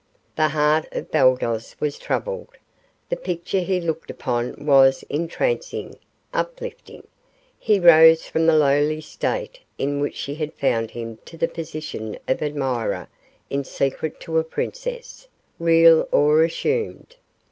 The heart of Baldos was troubled. The picture he looked upon was entrancing, uplifting; he rose from the lowly state in which she had found him to the position of admirer in secret to a princess, real or assumed.